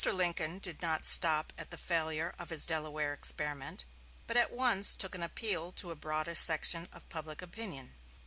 Lincoln did not stop at the failure of his Delaware experiment, but at once took an appeal to a broader section of public opinion.